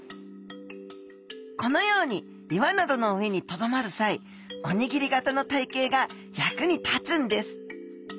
このように岩などの上にとどまる際おにぎり型の体形が役に立つんです。